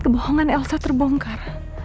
kebohongan elsa terbongkar